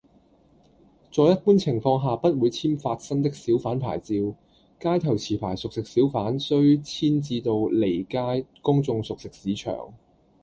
在一般情況下不會簽發新的小販牌照，街頭持牌熟食小販須遷置到離街公眾熟食市場